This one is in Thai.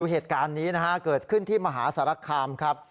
เหตุการณ์นี้นะฮะเกิดขึ้นที่มหาสารคามครับ